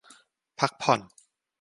พักผ่อน